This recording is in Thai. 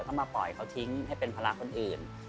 เขามาปล่อยเขาทิ้งให้เป็นภาระคนอื่น